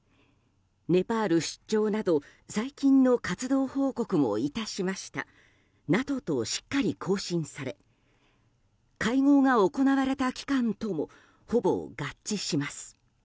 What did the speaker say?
ネパール出張など最近の活動報告も致しました、などとしっかり更新され会合が行われた期間ともほぼ合致します。